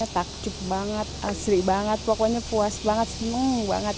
takjub banget asri banget pokoknya puas banget seneng banget